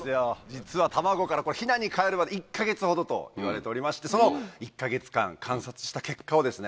実は卵からヒナにかえるまで１か月ほどといわれておりましてその１か月間観察した結果をですね